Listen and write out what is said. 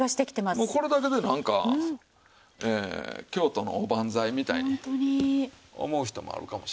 もうこれだけでなんか京都のおばんざいみたいに思う人もあるかもしれません。